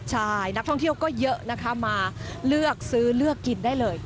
ใช่นักท่องเที่ยวก็เยอะนะคะมาเลือกซื้อเลือกกินได้เลย